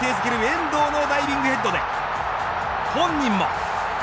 遠藤のダイビングヘッドで本人も。